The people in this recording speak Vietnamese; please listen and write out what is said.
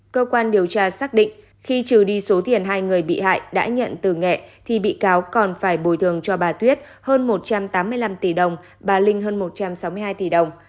cơ quan điều tra xác định khi trừ đi số tiền hai người bị hại đã nhận từ nghệ thì bị cáo còn phải bồi thường cho bà tuyết hơn một trăm tám mươi năm tỷ đồng bà linh hơn một trăm sáu mươi hai tỷ đồng